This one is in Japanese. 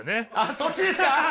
そっちですか。